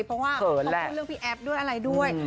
เพราะว่าเขาพูดเรื่องพี่แอฟด้วยอะไรด้วย